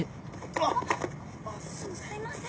あっすいません。